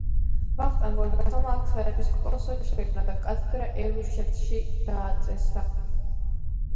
ვახტანგ გორგასალმა აქ საეპისკოპოსო შექმნა და კათედრა ერუშეთში დააწესა.